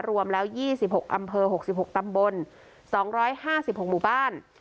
รวมแล้วยี่สิบหกอำเภอหกสิบหกตำบลสองร้อยห้าสิบหกหมู่บ้าน